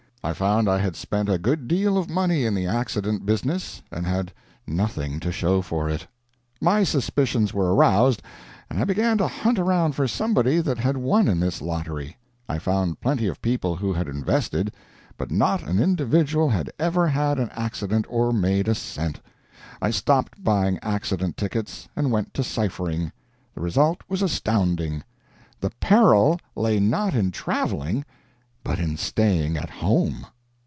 I found I had spent a good deal of money in the accident business, and had nothing to show for it. My suspicions were aroused, and I began to hunt around for somebody that had won in this lottery. I found plenty of people who had invested, but not an individual that had ever had an accident or made a cent. I stopped buying accident tickets and went to ciphering. The result was astounding. THE PERIL LAY NOT IN TRAVELING, BUT IN STAYING AT HOME.